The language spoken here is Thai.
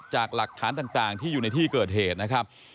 จากหลักฐานต่างที่อยู่ในที่เกิดเหตุนะครับ